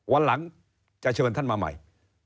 วันหลังจะเชิญท่านมาใหม่